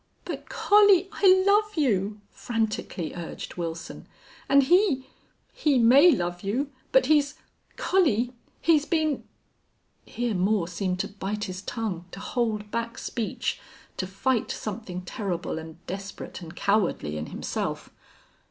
"But, Collie, I love you," frantically urged Wilson. "And he he may love you but he's Collie he's been " Here Moore seemed to bite his tongue, to hold back speech, to fight something terrible and desperate and cowardly in himself.